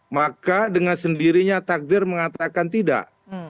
maka dengan sendirinya takdir mengatakan tidak